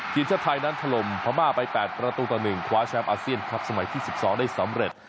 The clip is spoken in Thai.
ทีมชาติไทยนั้นถล่มพม่าไป๘ประตูต่อ๑คว้าแชมป์อาเซียนคลับสมัยที่๑๒ได้สำเร็จ